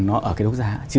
nó ở cái đấu giá